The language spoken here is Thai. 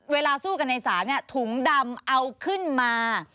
เวลาสู้กันในศาลถุงดำเอาขึ้นมา